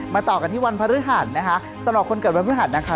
ต่อกันที่วันพฤหัสนะคะสำหรับคนเกิดวันพฤหัสนะคะ